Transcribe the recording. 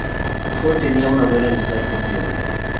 Jo tenía una buena amistad con Fiona.